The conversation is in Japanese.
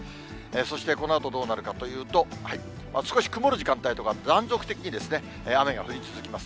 そして、このあとどうなるかというと、少し曇る時間帯があって、断続的に雨が降り続きます。